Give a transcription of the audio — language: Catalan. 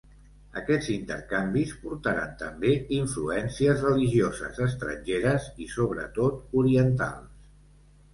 Aquests intercanvis portaren també influències religioses estrangeres i sobretot orientals.